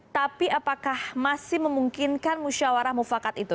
tapi apakah masih memungkinkan musyawarah mufakat itu